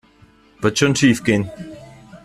Wird schon schiefgehen.